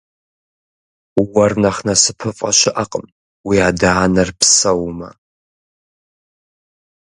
Уэр нэхъ насыпыфӏэ щыӏэкъым уи адэ-анэр псэумэ.